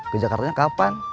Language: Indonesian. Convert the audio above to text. ke jakartanya kapan